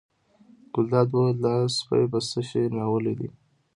ګلداد وویل دا سپی په څه شي ناولی دی.